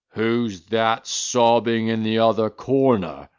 "Who's that sobbing in the other corner?"